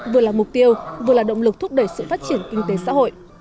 vừa là mục tiêu vừa là động lực thúc đẩy sự phát triển kinh tế xã hội